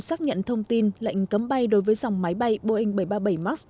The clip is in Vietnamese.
xác nhận thông tin lệnh cấm bay đối với dòng máy bay boeing bảy trăm ba mươi bảy max